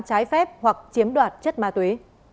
trái phép hoặc chiếm đoạt chất ma túy